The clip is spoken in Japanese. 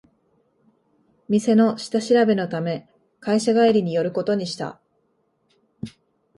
店の下調べのため会社帰りに寄ることにした